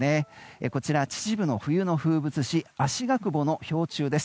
こちら、秩父の冬の風物詩あしがくぼの氷柱です。